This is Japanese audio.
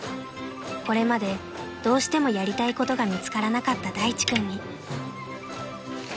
［これまでどうしてもやりたいことが見つからなかった大地君に］